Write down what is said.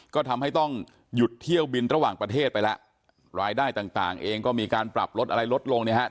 ก็ทำให้ต้องหยุดเที่ยวบินระหว่างประเทศไปแล้วรายได้ต่างต่างเองก็มีการปรับลดอะไรลดลงเนี่ยฮะ